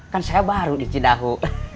kan saya baru di cidahu